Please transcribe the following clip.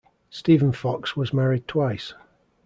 Stephen Fox was married twice.